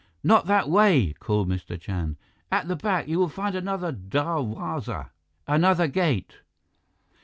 "Not that way!" called Mr. Chand. "At the back, you will find another darwaza another gate!